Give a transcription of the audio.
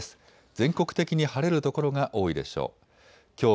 全国的に晴れる所が多いでしょう。